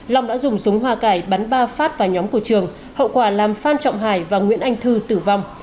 long đã dùng súng hoa cải bắn ba phát vào nhóm của trường hậu quả làm phan trọng hải và nguyễn anh thư tử vong